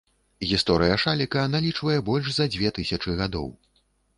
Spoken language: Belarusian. Гісторыя шаліка, налічвае больш за дзве тысячы гадоў.